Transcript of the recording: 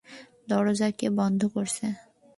দরজা কে বন্ধ করছে?